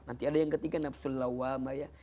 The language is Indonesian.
nanti ada yang ketiga nafsu lawamah